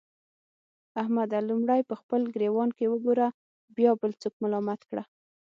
احمده! لومړی په خپل ګرېوان کې وګوره؛ بيا بل څوک ملامت کړه.